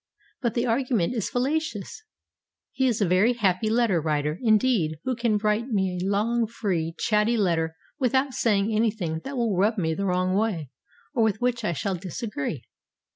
But the argument is fallacious. He is a very happy letter writer indeed who can write me a long, free, chatty letter without saying anything that will rub me the wrong way or with which I shall disagree.